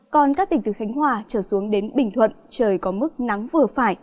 còn các tỉnh từ khánh hòa trở xuống đến bình thuận trời có mức nắng vừa phải